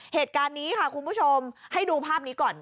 เหตุการณ์นี้ค่ะคุณผู้ชมให้ดูภาพนี้ก่อน